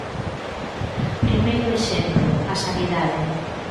Primeiro exemplo, a sanidade.